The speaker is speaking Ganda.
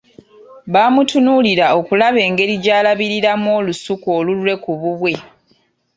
Bamutunuulira okulaba engeri gy’alabiriramu olusuku olulwe ku bubwe.